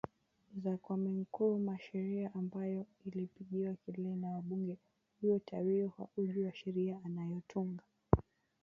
za Kwame Nkrumah sheria ambayo ilipigiwa kelele na wabungeHuyo Tawio hakujua sheria anayotunga